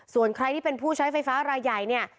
ส่วนใครที่เป็นผู้ใช้ไฟฟ้ารายใหญ่เนี่ย